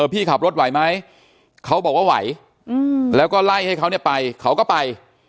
พี่ขับรถไหวไหมเขาบอกว่าไหวแล้วก็ไล่ให้เขาเนี่ยไปเขาก็ไป